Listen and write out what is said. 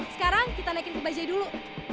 sekarang kita naikin ke bajai dulu